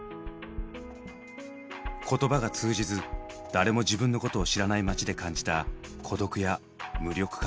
言葉が通じず誰も自分のことを知らない街で感じた孤独や無力感。